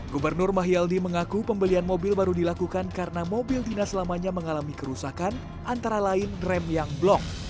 gubernur mahyaldi mengaku pembelian mobil baru dilakukan karena mobil dinas lamanya mengalami kerusakan antara lain rem yang blok